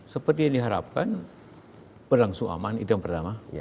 seperti yang diharapkan berlangsung aman itu yang pertama